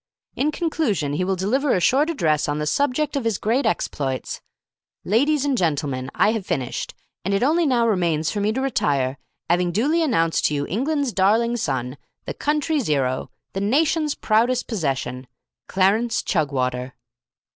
In conclusion he will deliver a short address on the subject of 'is great exploits. Ladies and gentlemen, I have finished, and it only now remains for me to retire, 'aving duly announced to you England's Darling Son, the Country's 'Ero, the Nation's Proudest Possession Clarence Chugwater."